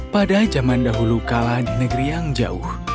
pada zaman dahulu kala di negeri yang jauh